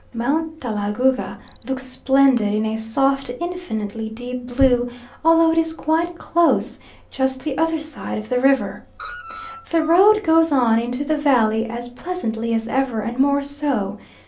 Mount Talagouga looks splendid in a soft, infinitely deep blue, although it is quite close, just the other side of the river. The road goes on into the valley, as pleasantly as ever and more so.